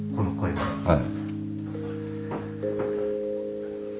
はい。